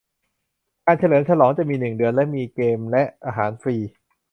การเฉลิมฉลองจะมีหนึ่งเดือนและมีเกมและอาหารฟรี